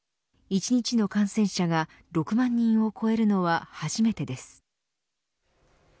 １日の感染者が６万人を超えるのは初めてです。